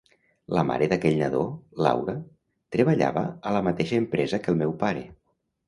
La mare d'aquell nadó, Laura, treballava a la mateixa empresa que el meu pare.